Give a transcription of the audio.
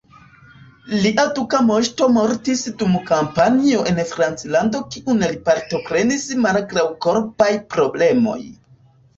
Lia duka moŝto mortis dum kampanjo en Franclando kiun li partoprenis malgraŭ korpaj problemoj.